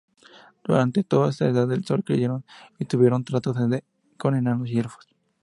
Durante toda esta Edad del Sol crecieron y tuvieron tratos con Enanos y Elfos.